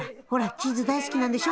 チーズ大好きなんでしょ？